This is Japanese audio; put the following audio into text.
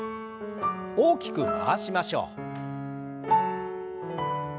大きく回しましょう。